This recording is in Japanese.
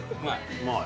うまい。